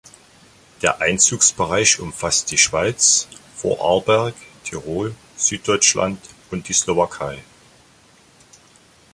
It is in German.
Der Einzugsbereich umfasst die Schweiz, Vorarlberg, Tirol, Süd-Deutschland und die Slowakei.